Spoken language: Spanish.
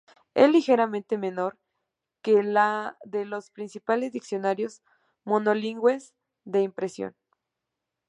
Es ligeramente menor que la de los principales diccionarios monolingües de impresión.